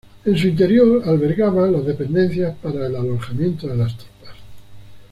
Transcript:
En su interior albergaba las dependencias para el alojamiento de las tropas.